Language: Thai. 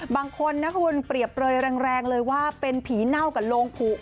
บางคนนะคุณเปรียบเปลยแรงเลยว่าเป็นผีเน่ากับโรงผู